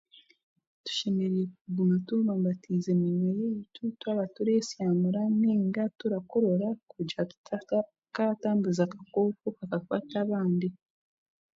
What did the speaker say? Tushemereire kuguma tubumbatiize eminywa yaitu twaba tureesyamura nainga turakorera kugira tutakaatambuza akakooko kukwata abandi